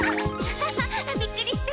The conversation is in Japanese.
ハハッびっくりした。